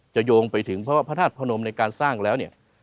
โยงไปถึงเพราะว่าพระธาตุพนมในการสร้างแล้วเนี่ย